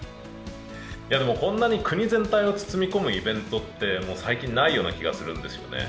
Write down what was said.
こんなに国全体を包み込むイベントって最近ない気がするんですよね。